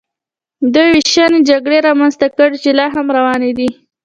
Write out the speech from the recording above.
دې وېشنې جګړې رامنځته کړې چې لا هم روانې دي